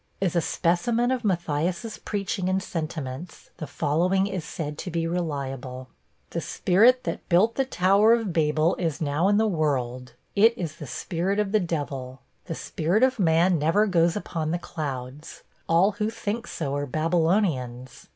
As a specimen of Matthias' preaching and sentiments, the following is said to be reliable: 'The spirit that built the Tower of Babel is now in the world it is the spirit of the devil. The spirit of man never goes upon the clouds; all who think so are Babylonians.